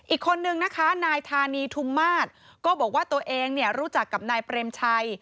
อีกคนนึงนะคะนายธานีทุมมาตรก็บอกว่าตัวเองเนี่ยรู้จักกับนายเปรมชัย